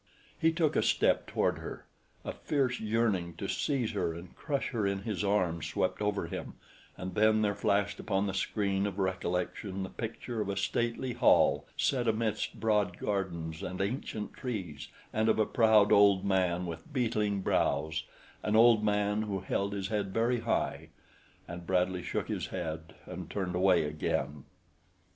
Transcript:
He took a step toward her. A fierce yearning to seize her and crush her in his arms, swept over him, and then there flashed upon the screen of recollection the picture of a stately hall set amidst broad gardens and ancient trees and of a proud old man with beetling brows an old man who held his head very high and Bradley shook his head and turned away again.